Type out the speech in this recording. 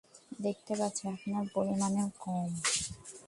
দেখতে পাচ্ছি আপনার পরিমাণেও কম।